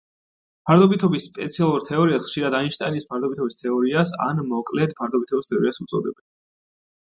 ფარდობითობის სპეციალურ თეორიას ხშირად აინშტაინის ფარდობითობის თეორიას, ან მოკლედ ფარდობითობის თეორიას უწოდებენ.